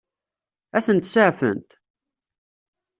Ad tent-seɛfent?